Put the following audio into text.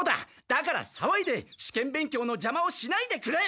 だからさわいで試験勉強のじゃまをしないでくれ。